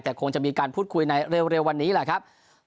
แต่คงจะมีการพูดคุยในเร็ววันนี้แหละครับ